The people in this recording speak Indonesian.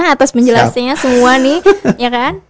atas penjelasannya semua nih